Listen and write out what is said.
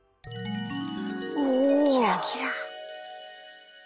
キラキラ。